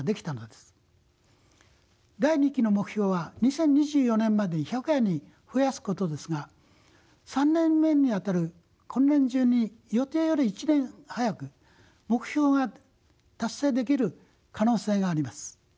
第二期の目標は２０２４年までに１００羽に増やすことですが３年目にあたる今年中に予定より１年早く目標が達成できる可能性があります。